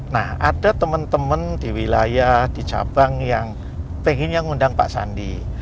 nah ada teman teman di wilayah di cabang yang pengennya ngundang pak sandi